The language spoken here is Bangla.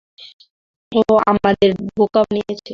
ও আমাদের বোকা বানিয়েছে!